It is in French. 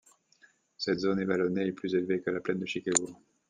Cette zone est vallonnée et plus élevée que la plaine de Chicago.